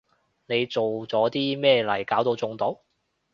你做咗啲咩嚟搞到中毒？